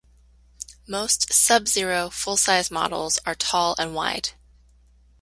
Most Sub-Zero full-size models are tall and wide.